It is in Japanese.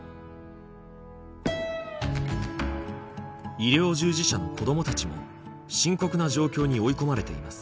医療従事者の子どもたちも深刻な状況に追い込まれています。